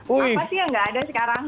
apa sih yang nggak ada sekarang